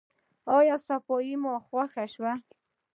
ایا صفايي مو خوښه شوه؟